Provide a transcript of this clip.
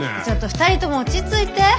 ちょっと２人とも落ち着いて！